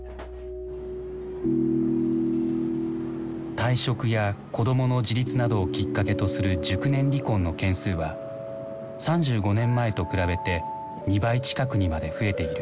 退職や子どもの自立などをきっかけとする熟年離婚の件数は３５年前と比べて２倍近くにまで増えている。